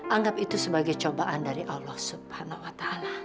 anggap itu sebagai cobaan dari allah swt